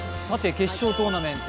決勝トーナメント